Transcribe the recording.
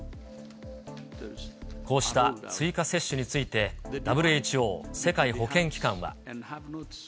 こうした追加接種について、ＷＨＯ・世界保健機関は。